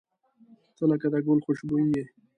• ته لکه د ګل خوشبويي یې.